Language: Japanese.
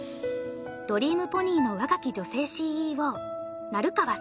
ドリームポニーの若き女性ＣＥＯ